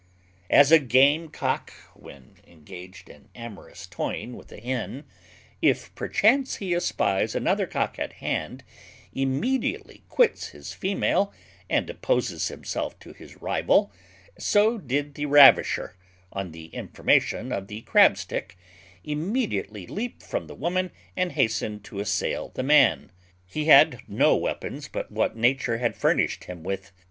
As a game cock, when engaged in amorous toying with a hen, if perchance he espies another cock at hand, immediately quits his female, and opposes himself to his rival, so did the ravisher, on the information of the crabstick, immediately leap from the woman and hasten to assail the man. He had no weapons but what Nature had furnished him with.